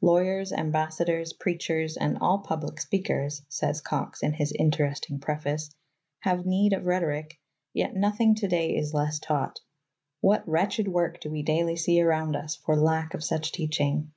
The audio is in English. Lawyers, ambassadors, preachers, and all public speak ers, says Cox in his interesting preface, have need of rhetoric, yet nothing today is less taught. What wretched work do we daily see around us for lack of such teaching